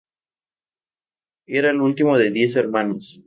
Era el último de diez hermanos.